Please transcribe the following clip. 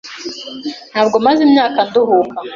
Ntabwo maze imyaka nduhuka.